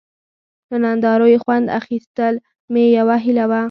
له نندارو یې خوند اخیستل مې یوه هیله وه.